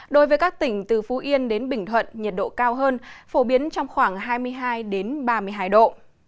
đối với các tỉnh từ phú yên đến bình thuận nhiệt độ cao hơn phổ biến trong khoảng hai mươi hai ba mươi hai độ